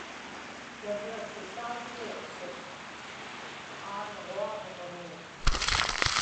tavra susausiiqsuk, aanġuaġiġmiuk